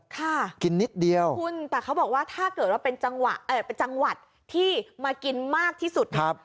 ค่ะคุณแต่เขาบอกว่าถ้าเกิดว่าเป็นจังหวัดที่มากินมากที่สุดครับ